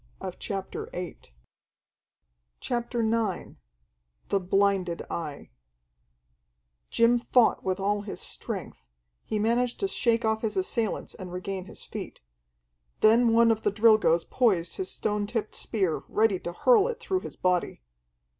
CHAPTER IX The Blinded Eye Jim fought with all his strength; he managed to shake off his assailants and regain his feet. Then one of the Drilgoes poised his stone tipped spear, ready to hurl it through his body.